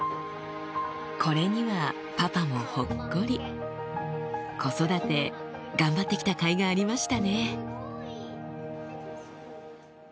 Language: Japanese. これにはパパもほっこり子育て頑張って来たかいがありましたね